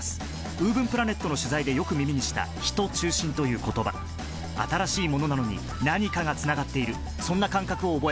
ウーブンプラネットの取材でよく耳にした「ヒト中心」という言葉新しいものなのに何かがつながっているそんな感覚を覚えました